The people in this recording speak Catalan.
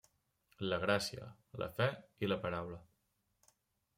La Gràcia, la Fe i la Paraula.